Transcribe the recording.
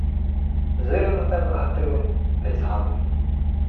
— Зирю на тебе, Гатиле, та й згадую...